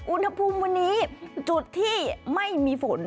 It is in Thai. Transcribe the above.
อุณหภูมิวันนี้จุดที่ไม่มีฝน